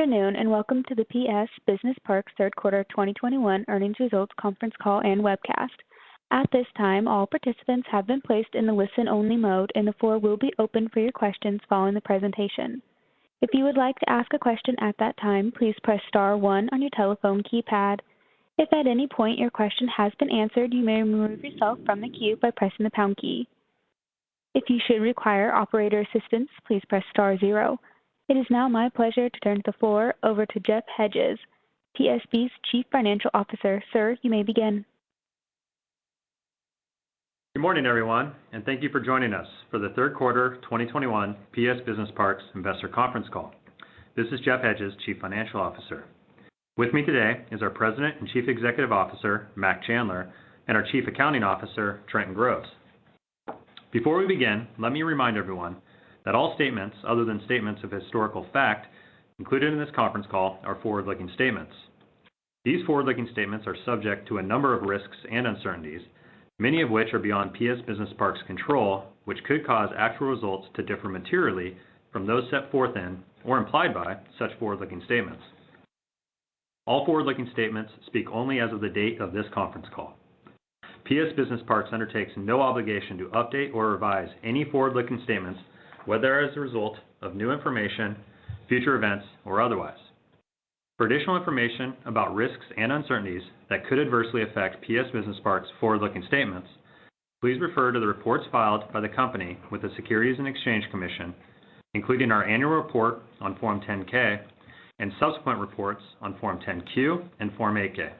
Good afternoon, and welcome to the PS Business Parks third quarter 2021 earnings results conference call and webcast. At this time, all participants have been placed in the listen-only mode, and the floor will be open for your questions following the presentation. If you would like to ask a question at that time, please press star one on your telephone keypad. If at any point your question has been answered, you may remove yourself from the queue by pressing the pound key. If you should require operator assistance, please press star zero. It is now my pleasure to turn the floor over to Jeff Hedges, PSB's Chief Financial Officer. Sir, you may begin. Good morning, everyone, and thank you for joining us for the Third Quarter 2021 PS Business Parks Investor Conference Call. This is Jeff Hedges, Chief Financial Officer. With me today is our President and Chief Executive Officer, Mac Chandler, and our Chief Accounting Officer, Trenton Groves. Before we begin, let me remind everyone that all statements other than statements of historical fact included in this conference call are forward-looking statements. These forward-looking statements are subject to a number of risks and uncertainties, many of which are beyond PS Business Parks' control, which could cause actual results to differ materially from those set forth in or implied by such forward-looking statements. All forward-looking statements speak only as of the date of this conference call. PS Business Parks undertakes no obligation to update or revise any forward-looking statements, whether as a result of new information, future events, or otherwise. For additional information about risks and uncertainties that could adversely affect PS Business Parks' forward-looking statements, please refer to the reports filed by the company with the Securities and Exchange Commission, including our annual report on Form 10-K and subsequent reports on Form 10-Q and Form 8-K.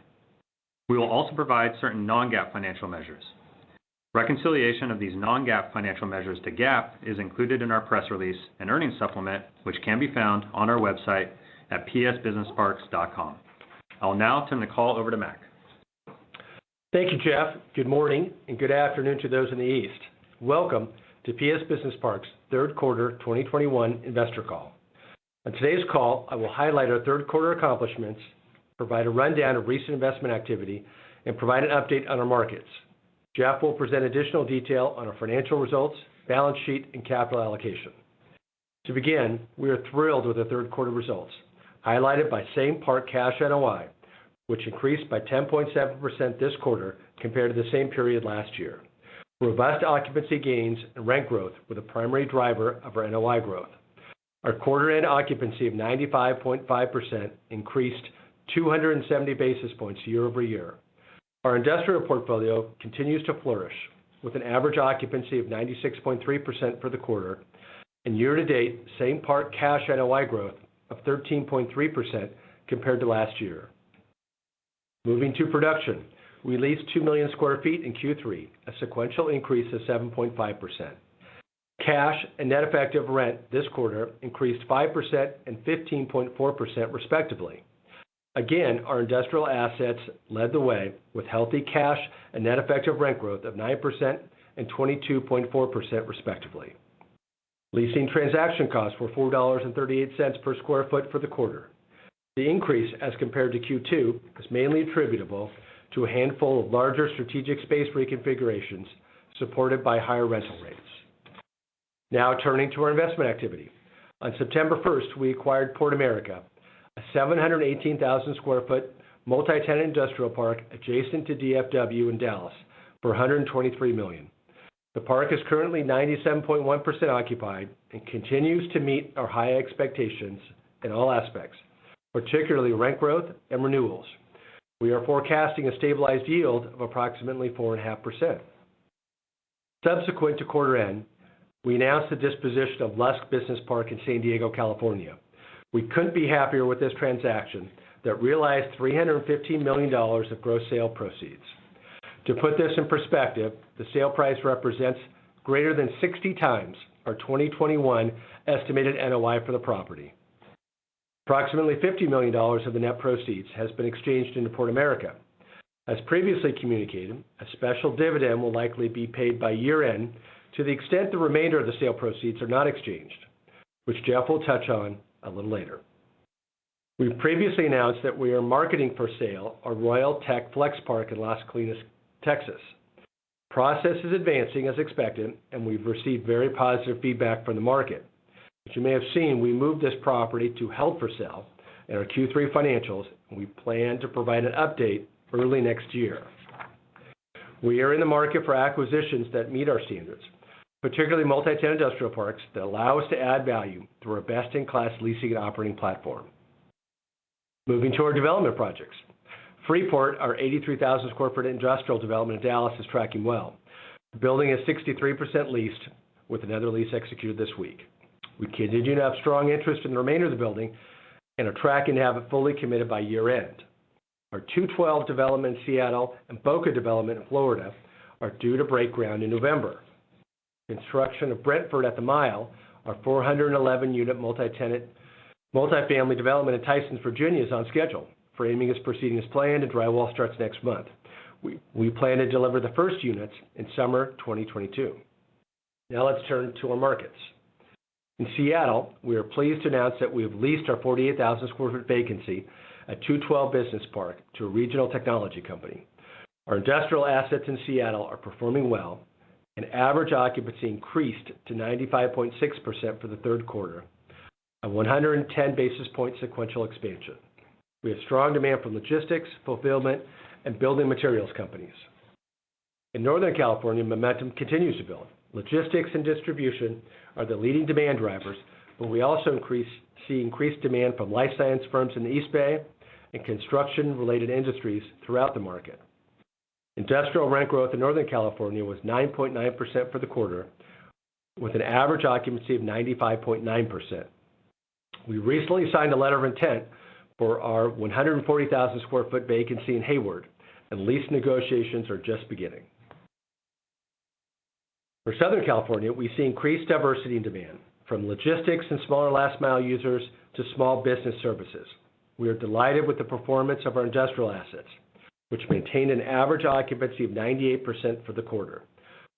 We will also provide certain non-GAAP financial measures. Reconciliation of these non-GAAP financial measures to GAAP is included in our press release and earnings supplement, which can be found on our website at psbusinessparks.com. I'll now turn the call over to Mac. Thank you, Jeff. Good morning, and good afternoon to those in the East. Welcome to PS Business Parks' third quarter 2021 investor call. On today's call, I will highlight our third quarter accomplishments, provide a rundown of recent investment activity, and provide an update on our markets. Jeff will present additional detail on our financial results, balance sheet, and capital allocation. To begin, we are thrilled with the third quarter results, highlighted by same-park cash NOI, which increased by 10.7% this quarter compared to the same period last year. Robust occupancy gains and rent growth were the primary driver of our NOI growth. Our quarter-end occupancy of 95.5% increased 270 basis points year-over-year. Our industrial portfolio continues to flourish with an average occupancy of 96.3% for the quarter and year to date same-park cash NOI growth of 13.3% compared to last year. Moving to production, we leased 2 million sq ft in Q3, a sequential increase of 7.5%. Cash and net effective rent this quarter increased 5% and 15.4% respectively. Again, our industrial assets led the way with healthy cash and net effective rent growth of 9% and 22.4% respectively. Leasing transaction costs were $4.38 per sq ft for the quarter. The increase as compared to Q2 is mainly attributable to a handful of larger strategic space reconfigurations supported by higher rental rates. Now turning to our investment activity. On September 1st, we acquired Port America, a 718,000 sq ft multi-tenant industrial park adjacent to DFW in Dallas for $123 million. The park is currently 97.1% occupied and continues to meet our high expectations in all aspects, particularly rent growth and renewals. We are forecasting a stabilized yield of approximately 4.5%. Subsequent to quarter end, we announced the disposition of Lusk Business Park in San Diego, California. We couldn't be happier with this transaction that realized $315 million of gross sale proceeds. To put this in perspective, the sale price represents greater than 60x our 2021 estimated NOI for the property. Approximately $50 million of the net proceeds has been exchanged into Port America. As previously communicated, a special dividend will likely be paid by year-end to the extent the remainder of the sale proceeds are not exchanged, which Jeff will touch on a little later. We've previously announced that we are marketing for sale our Royal Tech Flex Park in Las Colinas, Texas. Process is advancing as expected, and we've received very positive feedback from the market. As you may have seen, we moved this property to held for sale in our Q3 financials. We plan to provide an update early next year. We are in the market for acquisitions that meet our standards, particularly multi-tenant industrial parks that allow us to add value through our best-in-class leasing and operating platform. Moving to our development projects. Freeport, our 83,000 sq ft industrial development in Dallas, is tracking well. The building is 63% leased with another lease executed this week. We continue to have strong interest in the remainder of the building and are tracking to have it fully committed by year-end. Our 212 development in Seattle and Boca development in Florida are due to break ground in November. Construction of Brentford at The Mile, our 411-unit multi-family development in Tysons, Virginia, is on schedule. Framing is proceeding as planned, and drywall starts next month. We plan to deliver the first units in summer 2022. Now let's turn to our markets. In Seattle, we are pleased to announce that we have leased our 48,000 sq ft vacancy at 212 Business Park to a regional technology company. Our industrial assets in Seattle are performing well, and average occupancy increased to 95.6% for the third quarter, a 110 basis point sequential expansion. We have strong demand from logistics, fulfillment, and building materials companies. In Northern California, momentum continues to build. Logistics and distribution are the leading demand drivers, but we also see increased demand from life science firms in the East Bay and construction-related industries throughout the market. Industrial rent growth in Northern California was 9.9% for the quarter, with an average occupancy of 95.9%. We recently signed a letter of intent for our 140,000 sq ft vacancy in Hayward, and lease negotiations are just beginning. For Southern California, we see increased diversity in demand, from logistics and smaller last mile users to small business services. We are delighted with the performance of our industrial assets, which maintained an average occupancy of 98% for the quarter.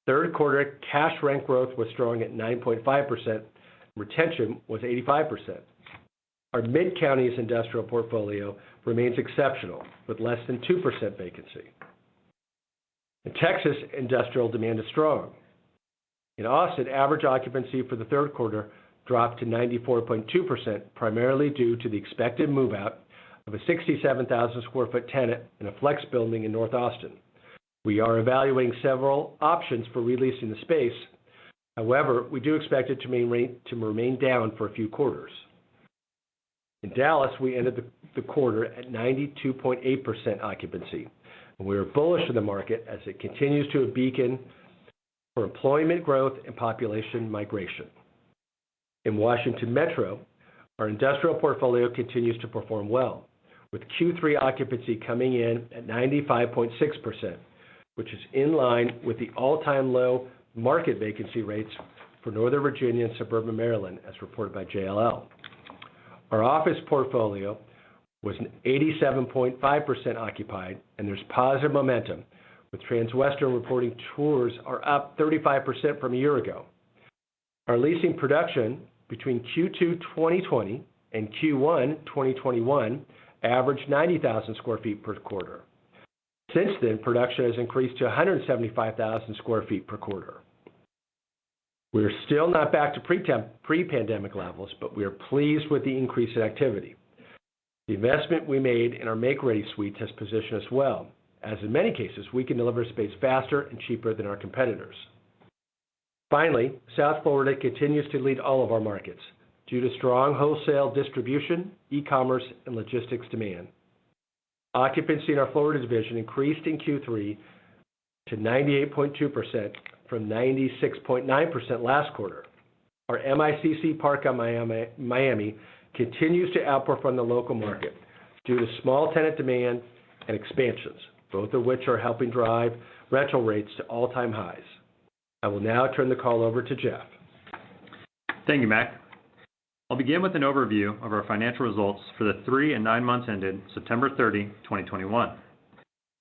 Third quarter cash rent growth was strong at 9.5%. Retention was 85%. Our Mid-Counties' industrial portfolio remains exceptional, with less than 2% vacancy. In Texas, industrial demand is strong. In Austin, average occupancy for the third quarter dropped to 94.2%, primarily due to the expected move out of a 67,000 sq ft tenant in a flex building in North Austin. We are evaluating several options for re-leasing the space. However, we do expect it to remain down for a few quarters. In Dallas, we ended the quarter at 92.8% occupancy, and we are bullish in the market as it continues to a beacon for employment growth and population migration. In Washington Metro, our industrial portfolio continues to perform well, with Q3 occupancy coming in at 95.6%, which is in line with the all-time low market vacancy rates for Northern Virginia and suburban Maryland, as reported by JLL. Our office portfolio was 87.5% occupied, and there's positive momentum with Transwestern reporting tours are up 35% from a year ago. Our leasing production between Q2 2020 and Q1 2021 averaged 90,000 sq ft per quarter. Since then, production has increased to 175,000 sq ft per quarter. We're still not back to pre-pandemic levels, but we are pleased with the increase in activity. The investment we made in our make-ready suite has positioned us well, as in many cases, we can deliver space faster and cheaper than our competitors. Finally, South Florida continues to lead all of our markets due to strong wholesale distribution, e-commerce, and logistics demand. Occupancy in our Florida division increased in Q3 to 98.2% from 96.9% last quarter. Our MICC park in Miami continues to outperform the local market due to small tenant demand and expansions, both of which are helping drive rental rates to all-time highs. I will now turn the call over to Jeff. Thank you, Mac. I'll begin with an overview of our financial results for the three and nine months ended September 30, 2021.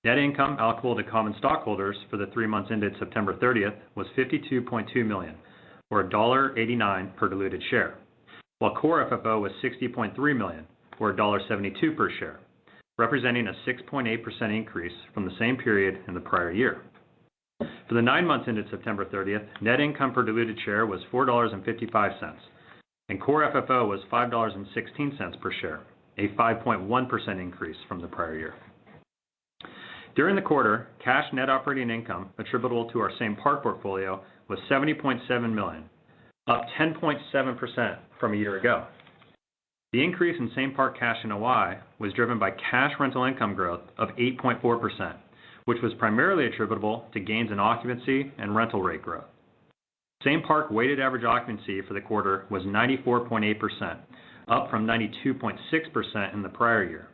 Net income allocable to common stockholders for the three months ended September 30 was $52.2 million, or $1.89 per diluted share. While core FFO was $60.3 million, or $1.72 per share, representing a 6.8% increase from the same period in the prior year. For the nine months ended September 30, net income per diluted share was $4.55, and core FFO was $5.16 per share, a 5.1% increase from the prior year. During the quarter, cash net operating income attributable to our same-park portfolio was $70.7 million, up 10.7% from a year ago. The increase in same-park cash NOI was driven by cash rental income growth of 8.4%, which was primarily attributable to gains in occupancy and rental rate growth. Same-park weighted average occupancy for the quarter was 94.8%, up from 92.6% in the prior year.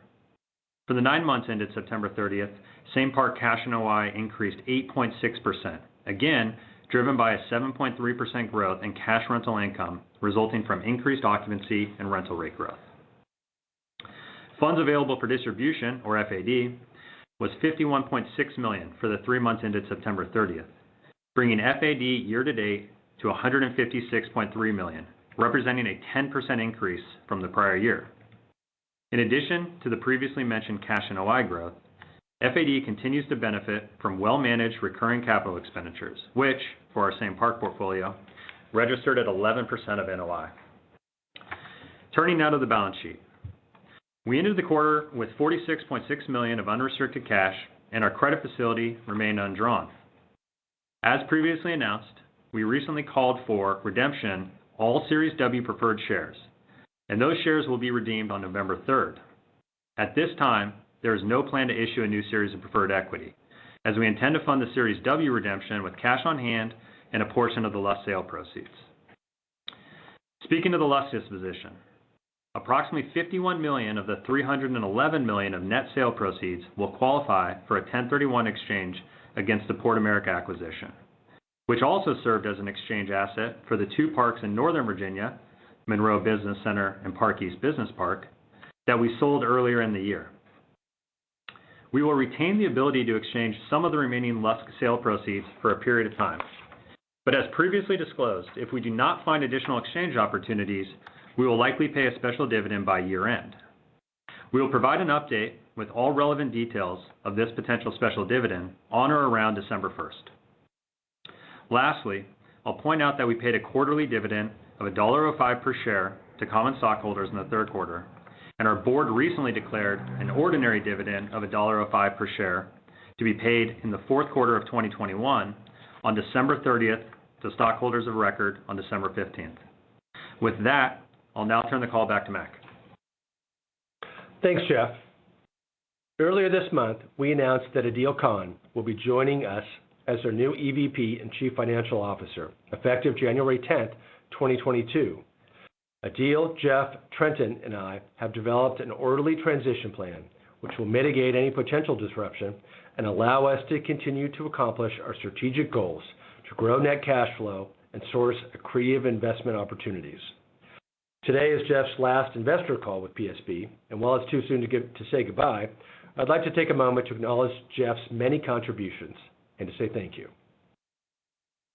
For the nine months ended September 30th, same-park cash NOI increased 8.6%, again driven by a 7.3% growth in cash rental income resulting from increased occupancy and rental rate growth. Funds available for distribution, or FAD, was $51.6 million for the three months ended September 30th, bringing FAD year to date to $156.3 million, representing a 10% increase from the prior year. In addition to the previously mentioned cash NOI growth, FAD continues to benefit from well-managed recurring capital expenditures, which, for our same-park portfolio, registered at 11% of NOI. Turning now to the balance sheet. We ended the quarter with $46.6 million of unrestricted cash, and our credit facility remained undrawn. As previously announced, we recently called for redemption all Series W preferred shares, and those shares will be redeemed on November third. At this time, there is no plan to issue a new series of preferred equity, as we intend to fund the Series W redemption with cash on hand and a portion of the Lusk sale proceeds. Speaking of the Lusk disposition, approximately $51 million of the $311 million of net sale proceeds will qualify for a 1031 exchange against the Port America acquisition, which also served as an exchange asset for the two parks in Northern Virginia, Monroe Business Center and Park East Business Park, that we sold earlier in the year. We will retain the ability to exchange some of the remaining Lusk sale proceeds for a period of time. As previously disclosed, if we do not find additional exchange opportunities, we will likely pay a special dividend by year-end. We will provide an update with all relevant details of this potential special dividend on or around December first. Lastly, I'll point out that we paid a quarterly dividend of $1.05 per share to common stockholders in the third quarter, and our board recently declared an ordinary dividend of $1.05 per share to be paid in the fourth quarter of 2021 on December thirtieth to stockholders of record on December fifteenth. With that, I'll now turn the call back to Mac. Thanks, Jeff. Earlier this month, we announced that Adeel Khan will be joining us as our new EVP and Chief Financial Officer, effective January 10, 2022. Adeel, Jeff, Trenton, and I have developed an orderly transition plan which will mitigate any potential disruption and allow us to continue to accomplish our strategic goals to grow net cash flow and source accretive investment opportunities. Today is Jeff's last investor call with PSB, and while it's too soon to say goodbye, I'd like to take a moment to acknowledge Jeff's many contributions and to say thank you.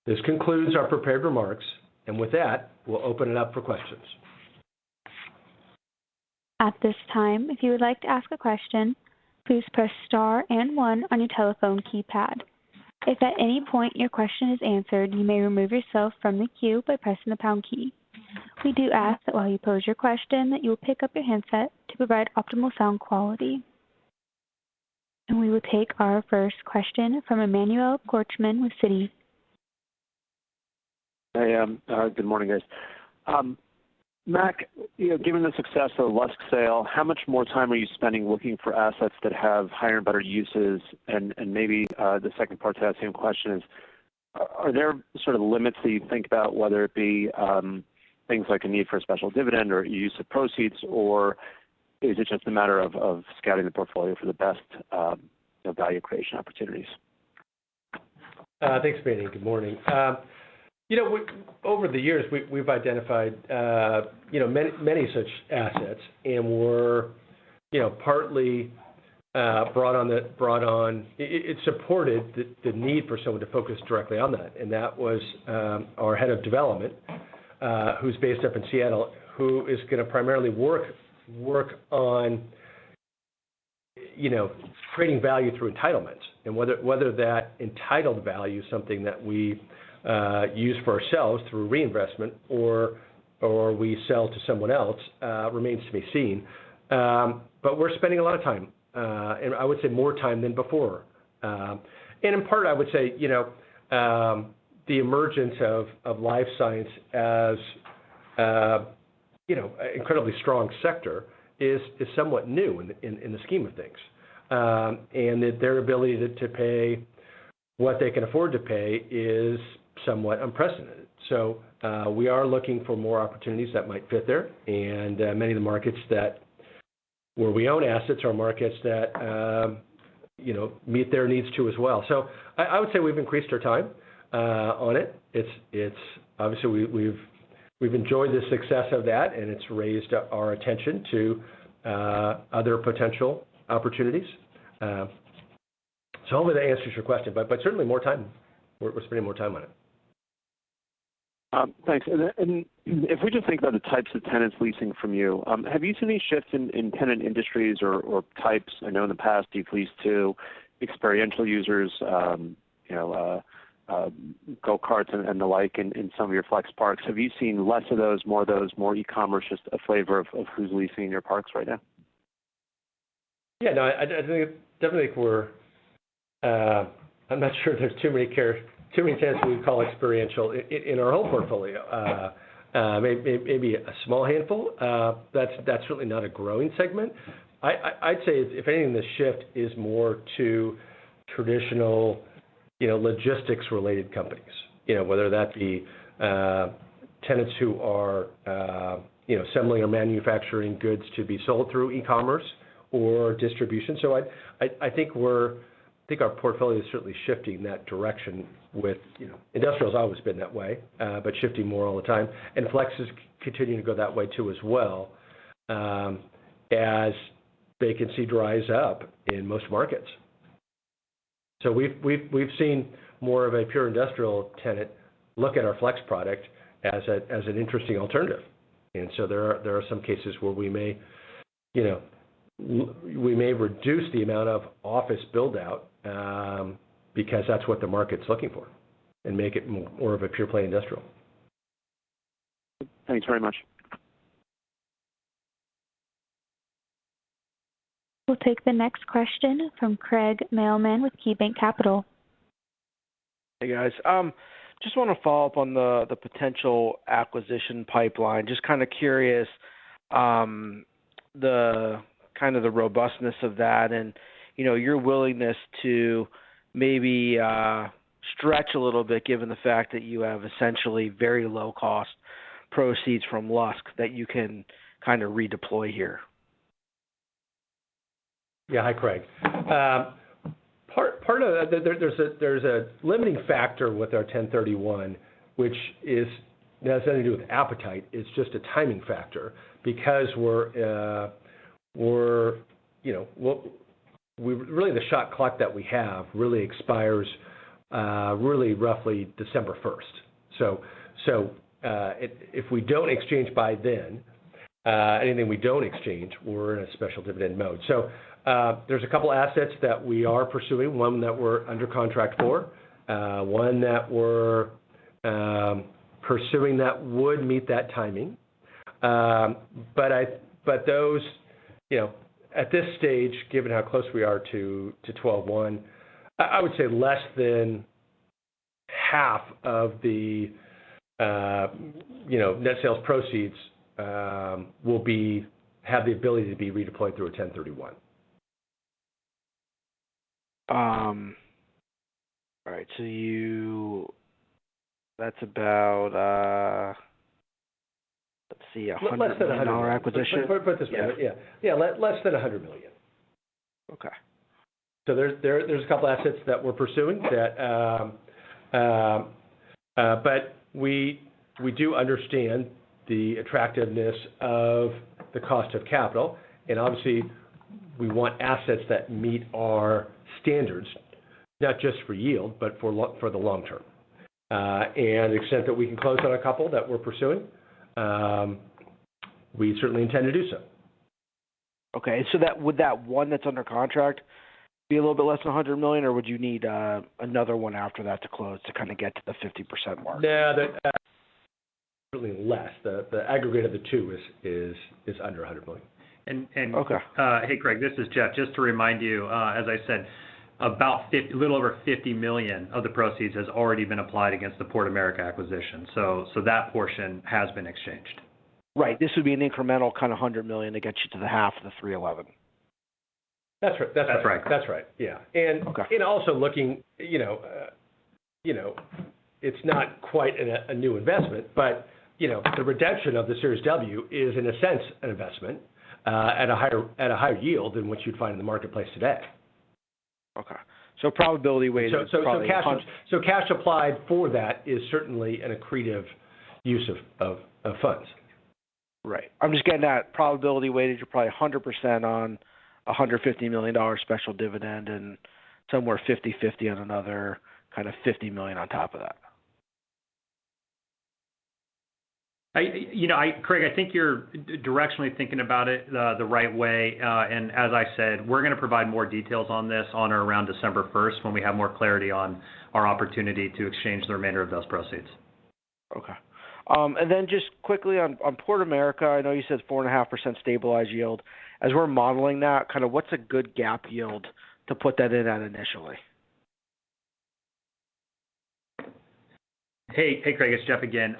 This concludes our prepared remarks. With that, we'll open it up for questions. At this time, if you would like to ask a question, please press star and one on your telephone keypad. If at any point your question is answered, you may remove yourself from the queue by pressing the pound key. We do ask that while you pose your question, that you'll pick up your handset to provide optimal sound quality. We will take our first question from Emmanuel Korchman with Citi. Hey, good morning, guys. Mac, you know, given the success of the Lusk sale, how much more time are you spending looking for assets that have higher and better uses? Maybe, the second part to that same question is, are there sort of limits that you think about whether it be, things like a need for a special dividend or use of proceeds, or is it just a matter of, scouting the portfolio for the best, you know, value creation opportunities? Thanks, Manny. Good morning. You know, over the years, we've identified many such assets and were partly brought on. It supported the need for someone to focus directly on that. That was our head of development, who's based up in Seattle, who is gonna primarily work on creating value through entitlements. Whether that entitled value is something that we use for ourselves through reinvestment or we sell to someone else remains to be seen. We're spending a lot of time, and I would say more time than before. In part, I would say, you know, the emergence of life science as, you know, incredibly strong sector is somewhat new in the scheme of things. That their ability to pay what they can afford to pay is somewhat unprecedented. We are looking for more opportunities that might fit there. Many of the markets where we own assets are markets that, you know, meet their needs too as well. I would say we've increased our time on it. It's obvious we've enjoyed the success of that, and it's raised our attention to other potential opportunities. I hope that answers your question, but certainly more time. We're spending more time on it. Thanks. If we just think about the types of tenants leasing from you, have you seen any shifts in tenant industries or types? I know in the past you've leased to experiential users, you know, go-karts and the like in some of your flex parks. Have you seen less of those, more of those, more e-commerce, just a flavor of who's leasing your parks right now? Yeah, no, I think definitely. I'm not sure if there's too many tenants we would call experiential in our own portfolio. Maybe a small handful. That's really not a growing segment. I'd say if anything, the shift is more to traditional, you know, logistics related companies, you know, whether that be tenants who are, you know, assembling or manufacturing goods to be sold through e-commerce or distribution. I think our portfolio is certainly shifting in that direction with, you know, industrial's always been that way, but shifting more all the time, and flex is continuing to go that way too as well, as vacancy dries up in most markets. We've seen more of a pure industrial tenant look at our flex product as an interesting alternative. There are some cases where we may, you know, reduce the amount of office build out, because that's what the market's looking for and make it more of a pure play industrial. Thanks very much. We'll take the next question from Craig Mailman with KeyBanc Capital. Hey, guys. Just wanna follow up on the potential acquisition pipeline. Just kind of curious, the kind of robustness of that and, you know, your willingness to maybe stretch a little bit given the fact that you have essentially very low cost proceeds from Lusk that you can kind of redeploy here. Yeah. Hi, Craig. There's a limiting factor with our 1031 exchange, which is, it has nothing to do with appetite. It's just a timing factor because, you know, the shot clock that we have really expires roughly December 1st. If we don't exchange by then, anything we don't exchange, we're in a special dividend mode. There's a couple assets that we are pursuing, one that we're under contract for, one that we're pursuing that would meet that timing. But those, you know, at this stage, given how close we are to twelve one, I would say less than half of the net sales proceeds will have the ability to be redeployed through a 1031 exchange. All right. That's about, let's see, $100 million acquisition. Less than $100 million. Yeah. Put it this way. Yeah. Less than $100 million. Okay. There's a couple assets that we're pursuing that, but we do understand the attractiveness of the cost of capital. Obviously, we want assets that meet our standards, not just for yield, but for the long term. The extent that we can close on a couple that we're pursuing, we certainly intend to do so. Okay. Would that one that's under contract be a little bit less than $100 million, or would you need another one after that to close to kind of get to the 50% mark? That's certainly less. The aggregate of the two is under $100 million. And, and- Okay. Hey, Craig, this is Jeff. Just to remind you, as I said, about a little over $50 million of the proceeds has already been applied against the Port America acquisition. That portion has been exchanged. Right. This would be an incremental kind of $100 million to get you to the half of the $311 million. That's right. That's right. That's right. That's right. Yeah. Okay. Also looking, you know, you know, it's not quite a new investment, but, you know, the redemption of the Series W is, in a sense, an investment at a higher yield than what you'd find in the marketplace today. Okay. Probability weighted, it's probably a hundred- Cash applied for that is certainly an accretive use of funds. Right. I'm just getting that probability weighted, you're probably 100% on a $150 million special dividend and somewhere 50/50 on another kind of $50 million on top of that. You know, Craig, I think you're directionally thinking about it the right way. As I said, we're gonna provide more details on this on or around December 1st when we have more clarity on our opportunity to exchange the remainder of those proceeds. Okay. Just quickly on Port America, I know you said 4.5% stabilized yield. As we're modeling that, kind of what's a good GAAP yield to put that in at initially? Hey, Craig, it's Jeff again.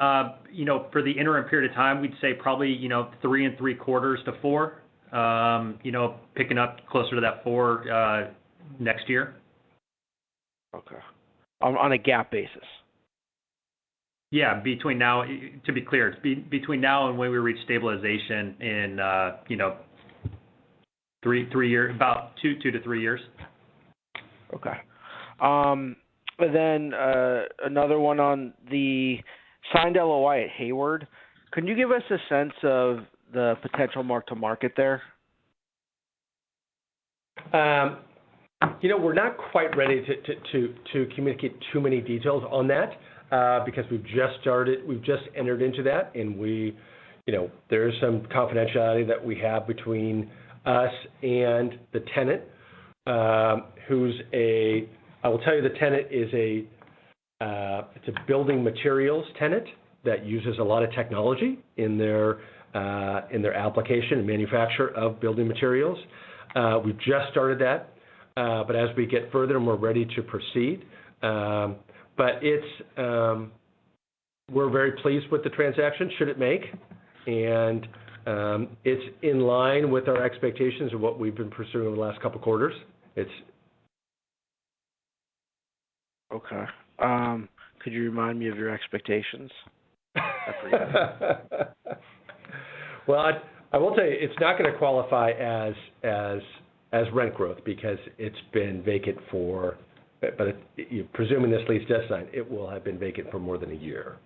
You know, for the interim period of time, we'd say probably, you know, $3.75-$4. You know, picking up closer to that $4 next year. Okay. On a GAAP basis? Yeah. To be clear, it's between now and when we reach stabilization in, you know, three years, about two to three years. Okay. Another one on the signed LOI at Hayward. Can you give us a sense of the potential mark-to-market there? You know, we're not quite ready to communicate too many details on that, because we've just started. We've just entered into that, and we, you know, there is some confidentiality that we have between us and the tenant. I will tell you the tenant is a building materials tenant that uses a lot of technology in their application and manufacture of building materials. We've just started that, but as we get further and we're ready to proceed. We're very pleased with the transaction, should it make. It's in line with our expectations of what we've been pursuing the last couple quarters. Okay. Could you remind me of your expectations? I forget. Well, I will tell you it's not gonna qualify as rent growth because it's been vacant for, if presuming this lease gets signed, it will have been vacant for more than a year.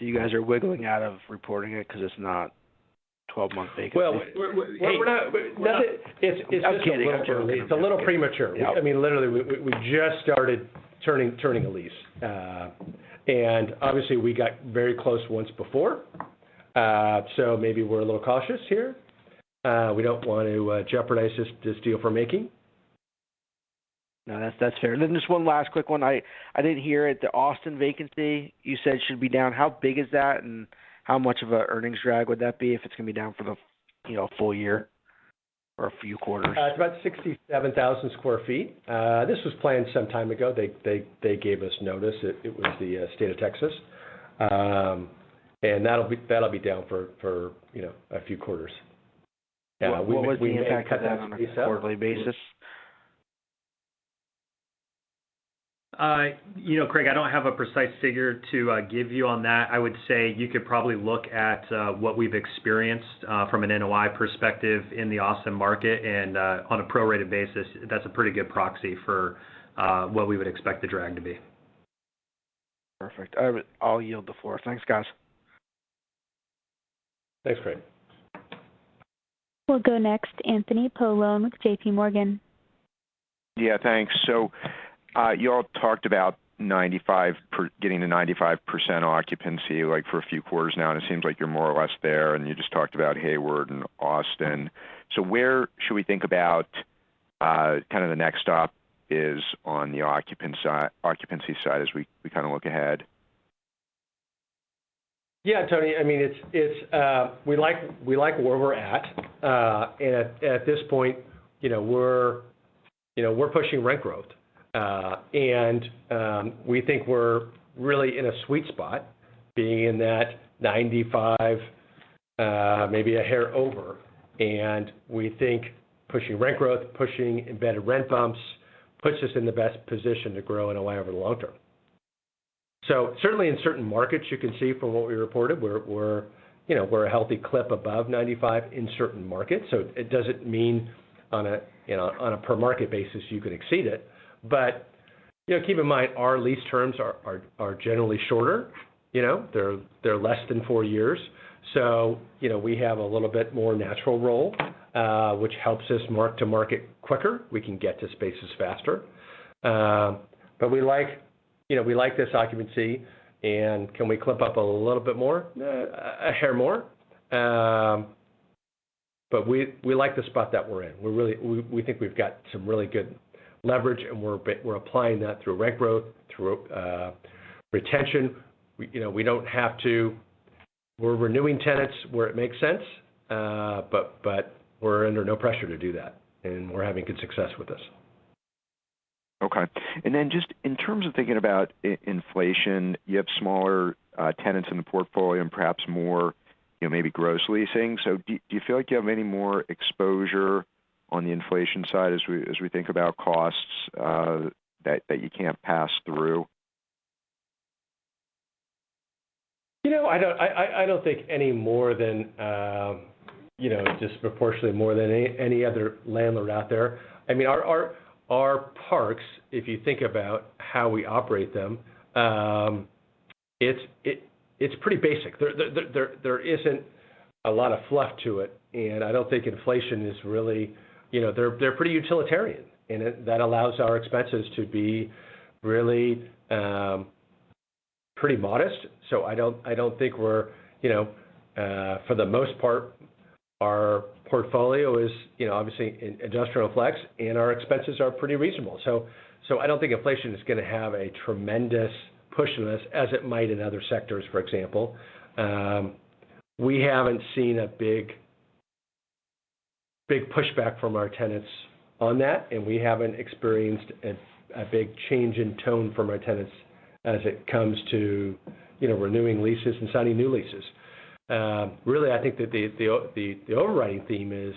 You guys are wiggling out of reporting it because it's not 12-month vacancy. Well, we're not. Hey, no. It's just a little premature. I'm kidding. It's a little premature. Yep. I mean, literally, we just started turning a lease. Obviously we got very close once before, so maybe we're a little cautious here. We don't want to jeopardize this deal if we're making. No, that's fair. Just one last quick one. I did hear at the Austin vacancy, you said should be down. How big is that, and how much of a earnings drag would that be if it's gonna be down for the, you know, full year or a few quarters? It's about 67,000 sq ft. This was planned some time ago. They gave us notice. It was the State of Texas. That'll be down for you know, a few quarters. We may cut that on a quarterly basis. What was the impact of that on a quarterly basis? You know, Craig, I don't have a precise figure to give you on that. I would say you could probably look at what we've experienced from an NOI perspective in the Austin market, and on a prorated basis, that's a pretty good proxy for what we would expect the drag to be. Perfect. I'll yield the floor. Thanks, guys. Thanks, Craig. We'll go next to Anthony Paolone with JPMorgan. Yeah, thanks. You all talked about getting to 95% occupancy, like, for a few quarters now, and it seems like you're more or less there, and you just talked about Hayward and Austin. Where should we think about, kind of the next stop is on the occupancy side as we kind of look ahead? Yeah, Tony. I mean, it's we like where we're at. At this point, you know, we're pushing rent growth. We think we're really in a sweet spot being in that 95%, maybe a hair over. We think pushing rent growth, pushing embedded rent bumps, puts us in the best position to grow in a way over the long term. Certainly in certain markets, you can see from what we reported, we're a healthy clip above 95% in certain markets. It doesn't mean on a per market basis, you can exceed it. Keep in mind, our lease terms are generally shorter. They're less than four years. You know, we have a little bit more natural roll, which helps us mark to market quicker. We can get to spaces faster. We like, you know, we like this occupancy. Can we clip up a little bit more? A hair more. We like the spot that we're in. We think we've got some really good leverage, and we're applying that through rent growth, through retention. You know, we don't have to. We're renewing tenants where it makes sense, but we're under no pressure to do that, and we're having good success with this. Okay. Then just in terms of thinking about inflation, you have smaller tenants in the portfolio and perhaps more, you know, maybe gross leasing. So do you feel like you have any more exposure on the inflation side as we think about costs that you can't pass through? You know, I don't think any more than you know, disproportionately more than any other landlord out there. I mean, our parks, if you think about how we operate them, it's pretty basic. There isn't a lot of fluff to it. I don't think inflation is really you know, they're pretty utilitarian, and that allows our expenses to be really pretty modest. So I don't think we're you know, for the most part, our portfolio is you know, obviously in industrial flex, and our expenses are pretty reasonable. So I don't think inflation is gonna have a tremendous push on this as it might in other sectors, for example. We haven't seen a big pushback from our tenants on that, and we haven't experienced a big change in tone from our tenants as it comes to, you know, renewing leases and signing new leases. Really, I think that the overriding theme is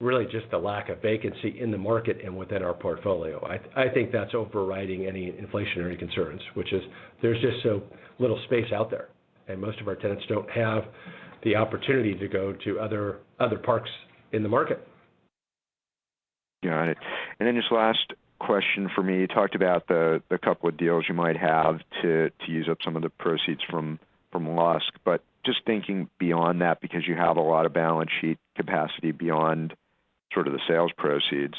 really just the lack of vacancy in the market and within our portfolio. I think that's overriding any inflationary concerns, which is there's just so little space out there, and most of our tenants don't have the opportunity to go to other parks in the market. Got it. Just last question for me. You talked about the couple of deals you might have to use up some of the proceeds from Lusk. Just thinking beyond that, because you have a lot of balance sheet capacity beyond sort of the sales proceeds,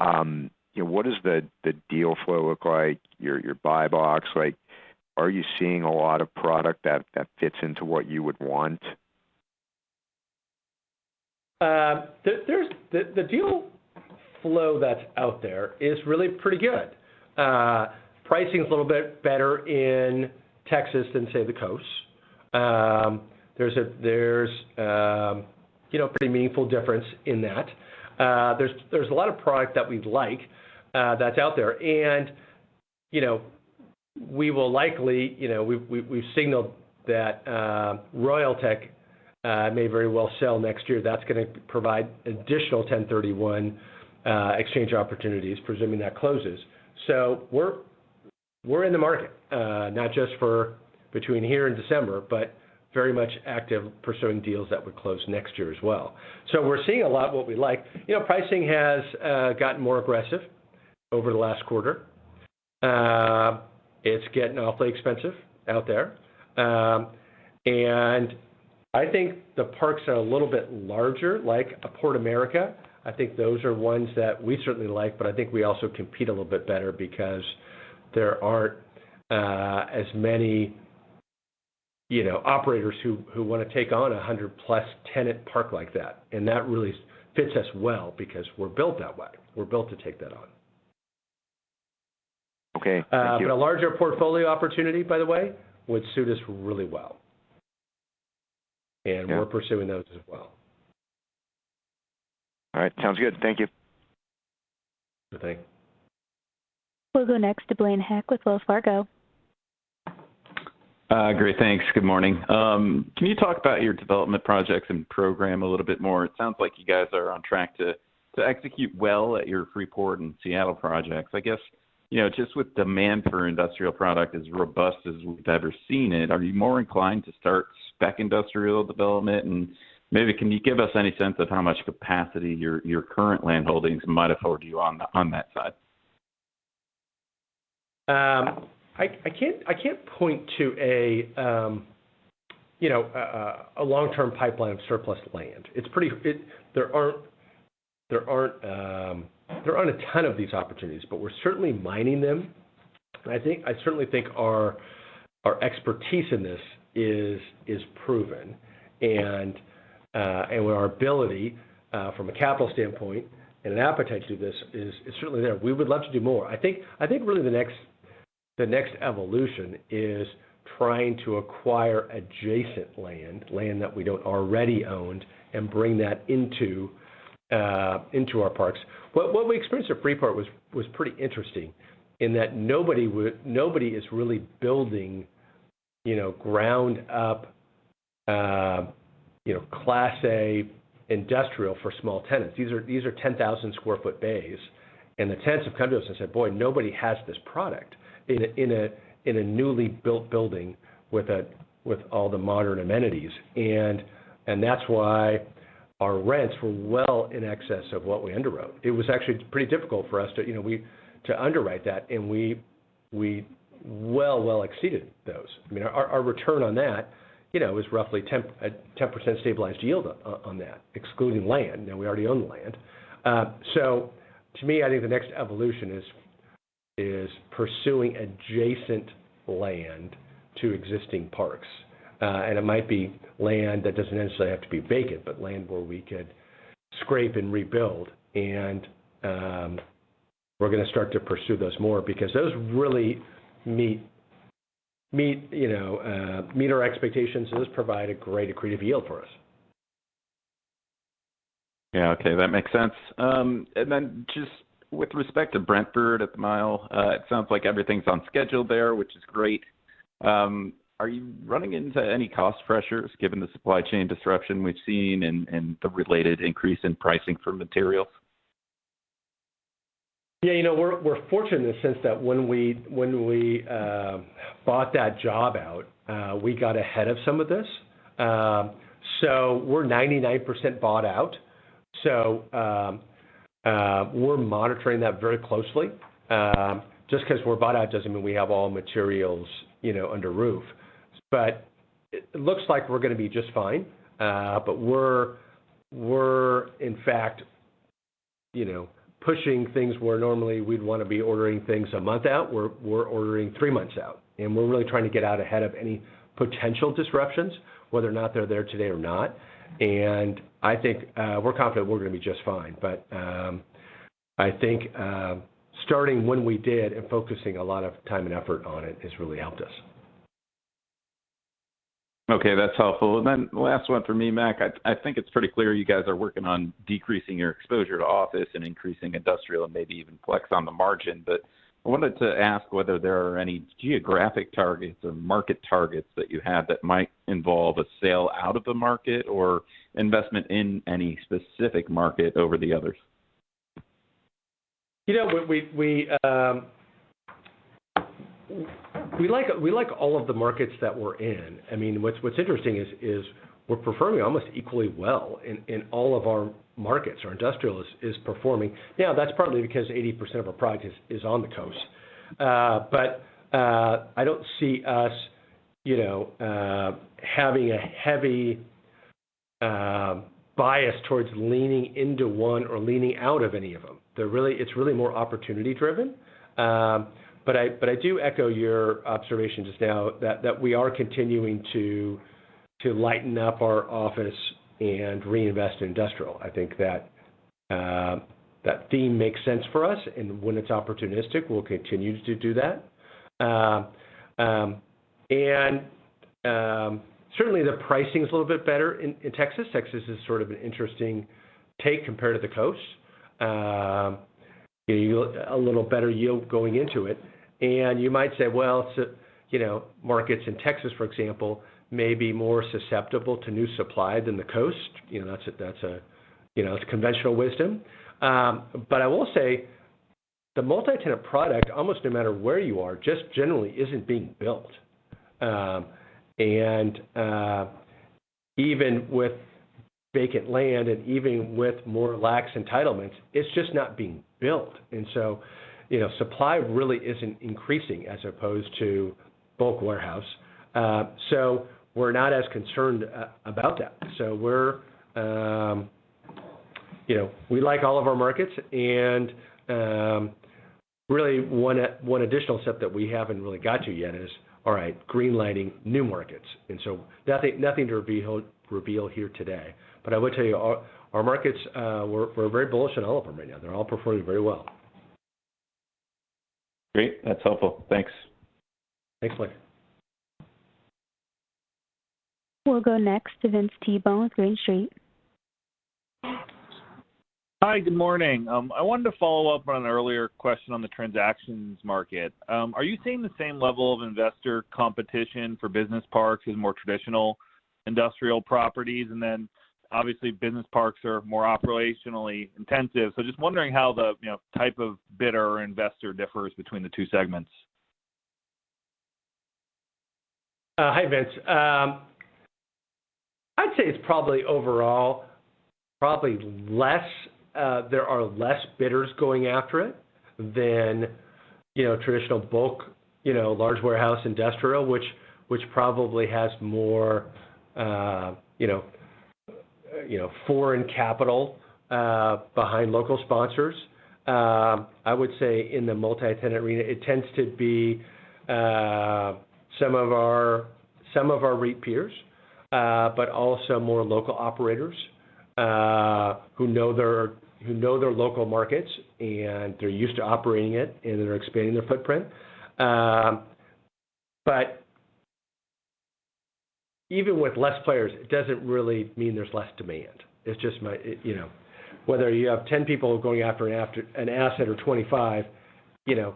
you know, what does the deal flow look like, your buy box? Like, are you seeing a lot of product that fits into what you would want? The deal flow that's out there is really pretty good. Pricing's a little bit better in Texas than say the coast. There's a pretty meaningful difference in that. There's a lot of product that we'd like that's out there. You know, we will likely, you know, we've signaled that Royal Tech may very well sell next year. That's gonna provide additional 1031 exchange opportunities, presuming that closes. We're in the market, not just between here and December, but very much active pursuing deals that would close next year as well. We're seeing a lot of what we like. You know, pricing has gotten more aggressive over the last quarter. It's getting awfully expensive out there. I think the parks are a little bit larger, like a Port America. I think those are ones that we certainly like, but I think we also compete a little bit better because there aren't as many, you know, operators who wanna take on a 100+ tenant park like that. That really fits us well because we're built that way. We're built to take that on. Okay. Thank you. A larger portfolio opportunity, by the way, would suit us really well. Yeah. We're pursuing those as well. All right. Sounds good. Thank you. Okay. We'll go next to Blaine Heck with Wells Fargo. Great. Thanks. Good morning. Can you talk about your development projects and program a little bit more? It sounds like you guys are on track to execute well at your Freeport and Seattle projects. I guess, you know, just with demand for industrial product as robust as we've ever seen it, are you more inclined to start spec industrial development? Maybe can you give us any sense of how much capacity your current land holdings might afford you on that side? I can't point to, you know, a long-term pipeline of surplus land. It's pretty. There aren't a ton of these opportunities, but we're certainly mining them. I certainly think our expertise in this is proven. Our ability from a capital standpoint and an appetite to do this is certainly there. We would love to do more. I think really the next evolution is trying to acquire adjacent land that we don't already own, and bring that into our parks. What we experienced at Freeport was pretty interesting in that nobody is really building, you know, ground-up, you know, Class A industrial for small tenants. These are 10,000 sq ft bays. The tenants have come to us and said, "Boy, nobody has this product in a newly built building with all the modern amenities." That's why our rents were well in excess of what we underwrote. It was actually pretty difficult for us to underwrite that. We exceeded those. Our return on that is roughly 10% stabilized yield on that, excluding land. Now we already own the land. To me, I think the next evolution is pursuing adjacent land to existing parks. It might be land that doesn't necessarily have to be vacant, but land where we could scrape and rebuild. We're gonna start to pursue those more because those really meet our expectations. Those provide a great accretive yield for us. Yeah. Okay, that makes sense. Just with respect to Brentford at The Mile, it sounds like everything's on schedule there, which is great. Are you running into any cost pressures given the supply chain disruption we've seen and the related increase in pricing for materials? Yeah. You know, we're fortunate in the sense that when we bought that job out, we got ahead of some of this. We're 99% bought out. We're monitoring that very closely. Just 'cause we're bought out doesn't mean we have all materials, you know, under roof. It looks like we're gonna be just fine. We're in fact, you know, pushing things where normally we'd wanna be ordering things a month out, we're ordering three months out, and we're really trying to get out ahead of any potential disruptions, whether or not they're there today or not. I think we're confident we're gonna be just fine. I think starting when we did and focusing a lot of time and effort on it has really helped us. Okay. That's helpful. Last one for me, Mac. I think it's pretty clear you guys are working on decreasing your exposure to office and increasing industrial and maybe even flex on the margin. I wanted to ask whether there are any geographic targets or market targets that you have that might involve a sale out of the market or investment in any specific market over the others. You know, we like all of the markets that we're in. I mean, what's interesting is we're performing almost equally well in all of our markets. Our industrial is performing. Now, that's partly because 80% of our product is on the coast. I don't see us having a heavy bias towards leaning into one or leaning out of any of them. It's really more opportunity driven. I do echo your observation just now that we are continuing to lighten up our office and reinvest in industrial. I think that theme makes sense for us, and when it's opportunistic, we'll continue to do that. Certainly the pricing's a little bit better in Texas. Texas is sort of an interesting take compared to the coast. You get a little better yield going into it. You might say, well, so, you know, markets in Texas, for example, may be more susceptible to new supply than the coast. You know, that's conventional wisdom. I will say the multi-tenant product, almost no matter where you are, just generally isn't being built. Even with vacant land and even with more lax entitlements, it's just not being built. You know, supply really isn't increasing as opposed to bulk warehouse. We're not as concerned about that. We're, you know, we like all of our markets and really one additional step that we haven't really got to yet is, all right, green-lighting new markets. Nothing to reveal here today. I will tell you our markets. We're very bullish on all of them right now. They're all performing very well. Great. That's helpful. Thanks. Thanks, Blaine. We'll go next to Vince Tibone with Green Street. Hi. Good morning. I wanted to follow up on an earlier question on the transactions market. Are you seeing the same level of investor competition for business parks as more traditional industrial properties? Obviously, business parks are more operationally intensive. Just wondering how the, you know, type of bidder or investor differs between the two segments. Hi, Vince. I'd say it's probably overall less, there are less bidders going after it than, you know, traditional bulk, you know, large warehouse industrial, which probably has more, you know, foreign capital behind local sponsors. I would say in the multi-tenant arena, it tends to be some of our REIT peers, but also more local operators who know their local markets, and they're used to operating it, and they're expanding their footprint. Even with less players, it doesn't really mean there's less demand. It's just you know whether you have 10 people going after an asset or 25, you know,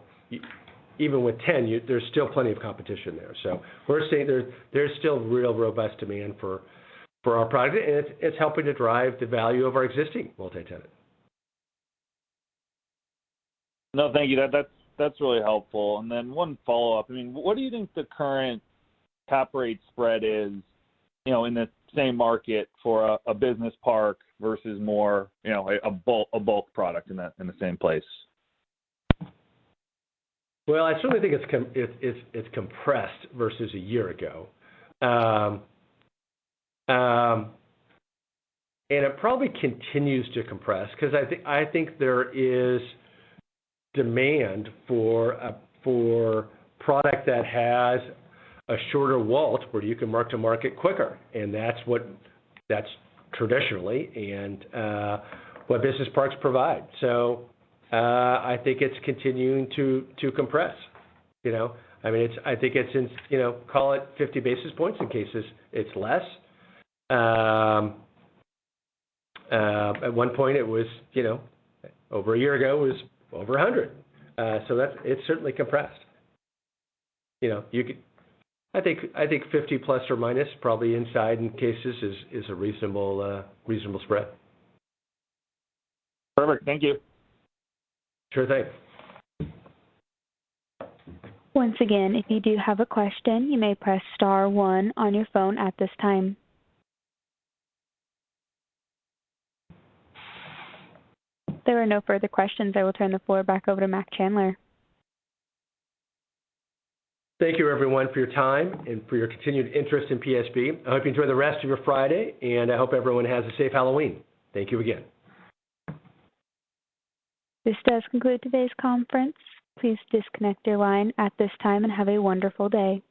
even with 10, there's still plenty of competition there. We're seeing there's still real robust demand for our product, and it's helping to drive the value of our existing multi-tenant. No, thank you. That's really helpful. One follow-up. I mean, what do you think the current cap rate spread is, you know, in the same market for a business park versus more, you know, a bulk product in the same place? Well, I certainly think it's compressed versus a year ago. It probably continues to compress because I think there is demand for product that has a shorter WALT where you can mark to market quicker. That's traditionally what business parks provide. I think it's continuing to compress, you know. I mean, I think it's in, you know, call it 50 basis points in cases it's less. At one point it was, you know, over a year ago, it was over 100. That's certainly compressed. You know, you could. I think 50± probably in size in cases is a reasonable spread. Perfect. Thank you. Sure thing. Once again, if you do have a question, you may press star one on your phone at this time. There are no further questions. I will turn the floor back over to Mac Chandler. Thank you everyone for your time and for your continued interest in PSB. I hope you enjoy the rest of your Friday, and I hope everyone has a safe Halloween. Thank you again. This does conclude today's conference. Please disconnect your line at this time and have a wonderful day.